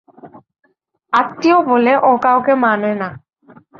আত্মীয় বলে ও কাউকে মানে না।